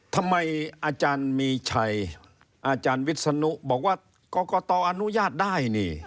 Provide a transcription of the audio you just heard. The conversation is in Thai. อาจารย์มีชัยอาจารย์วิศนุบอกว่ากรกตอนุญาตได้นี่